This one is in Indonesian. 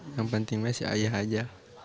yang pentingnya si ayah aja